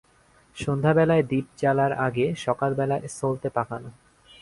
সন্ধ্যাবেলায় দীপ জ্বালার আগে সকালবেলায় সলতে পাকানো।